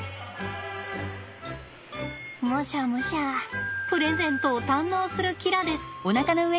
むしゃむしゃプレゼントを堪能するキラです。